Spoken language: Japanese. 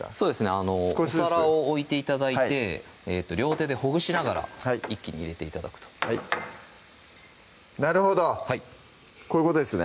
あのお皿を置いて頂いて両手でほぐしながら一気に入れて頂くとなるほどこういうことですね